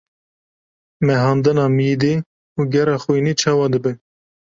mehandina mîdê û gera xwînê çawa dibe?